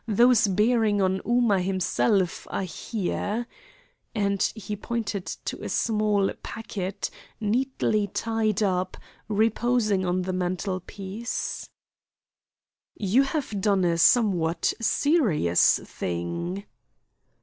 Those bearing on Ooma himself are here" and he pointed to a small packet, neatly tied up, reposing on the mantelpiece. "You have done a somewhat serious thing."